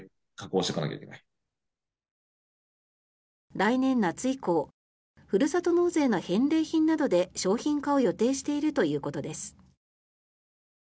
来年夏以降ふるさと納税の返礼品などで商品化を予定しているということです。